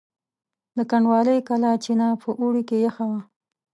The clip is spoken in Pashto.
د کنډوالې کلا چینه په اوړي کې یخه وه.